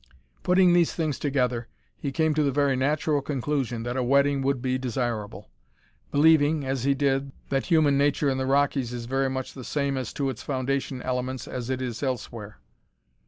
Putting these things together, he came to the very natural conclusion that a wedding would be desirable; believing, as he did, that human nature in the Rockies is very much the same as to its foundation elements as it is elsewhere.